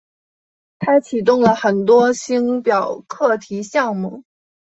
他启动了很多星表课题项目。